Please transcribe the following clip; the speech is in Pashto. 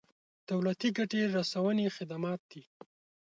دولتي ګټې رسونې خدمات دي.